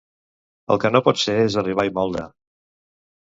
El que no pot ser és arribar i moldre.